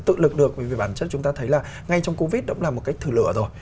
tự lực được bởi vì bản chất chúng ta thấy là ngay trong covid cũng là một cái thử lửa rồi